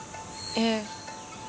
ええ。